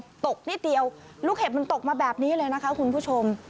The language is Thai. มันตกนิดเดียวลูกเห็บมันตกมาแบบนี้เลยนะคะคุณผู้ชม